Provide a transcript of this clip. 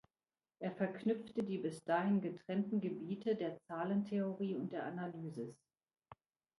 Er verknüpfte die bis dahin getrennten Gebiete der Zahlentheorie und der Analysis.